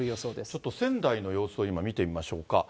ちょっと仙台の様子を今、見てみましょうか。